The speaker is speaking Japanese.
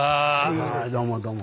どうもどうも。